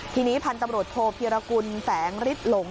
ทีนี้พันธุ์ตำรวจโทพีรกุลแสงฤทธิหลง